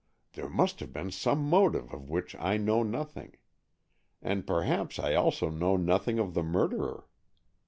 There must have been some motive of which I know nothing. And perhaps I also know nothing of the murderer.